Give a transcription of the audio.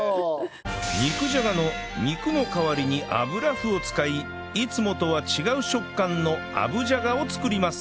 肉じゃがの肉の代わりに油麩を使いいつもとは違う食感のあぶじゃがを作ります